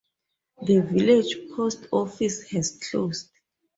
The village post office has closed.